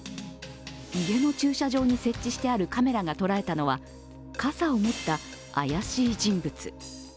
家の駐車場に設置してあるカメラが捉えたのは傘を持った怪しい人物。